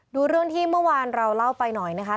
ดูเรื่องที่เมื่อวานเราเล่าไปหน่อยนะคะ